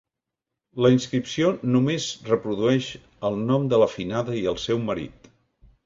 La inscripció només reprodueix el nom de la finada i el seu marit.